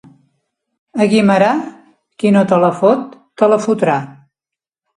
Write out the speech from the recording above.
A Guimerà, qui no te la fot, te la fotrà.